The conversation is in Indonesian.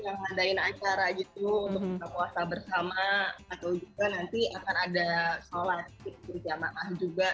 yang ngadain acara gitu untuk buka puasa bersama atau juga nanti akan ada sholat berjamaah juga